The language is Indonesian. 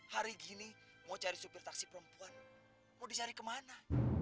hari gini mau cari supir taksi perempuan mau disari ke mana